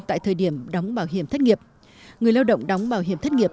tại thời điểm đóng bảo hiểm thất nghiệp